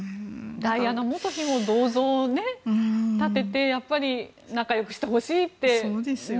ダイアナ元妃も銅像を建てて仲良くしてほしいって。